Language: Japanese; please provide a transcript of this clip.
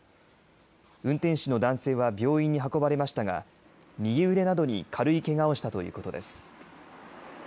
運転手の男性は病院に運ばれましたが右腕などに軽いけがをしたということです。